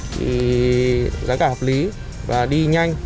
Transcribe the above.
thì giá cả hợp lý và đi nhanh